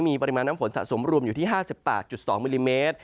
มีปริมาณน้ำฝนสะสมรวมอยู่ที่๕๘๒มิลลิเมตร